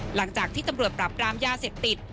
หลังจากที่ตำรวจปรับรามยาเสพติด